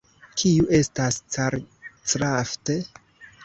Kiu estas Calcraft?